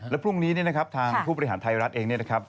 แล้วพรุ่งนี้ทางผู้ประหารไทยรัฐเองนะครับ